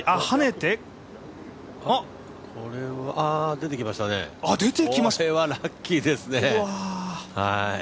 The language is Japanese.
出てきましたね、ラッキーですね。